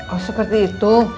oh seperti itu